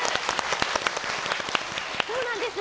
そうなんです。